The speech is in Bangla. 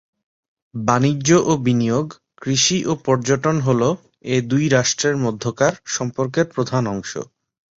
বাণিজ্য ও বিনিয়োগ, কৃষি ও পর্যটন হল এ দুই রাষ্ট্রের মধ্যকার সম্পর্কের প্রধান অংশ।